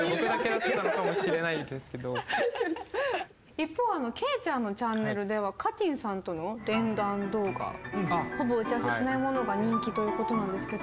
一方けいちゃんのチャンネルではかてぃんさんとの連弾動画ほぼ打ち合わせしないものが人気ということなんですけど。